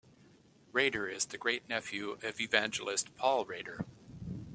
Rader is the great-nephew of evangelist Paul Rader.